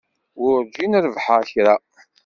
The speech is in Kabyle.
Werjin rebḥeɣ kra.